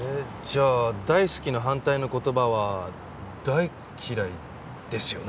じゃあ「大好き」の反対の言葉は「大嫌い」ですよね？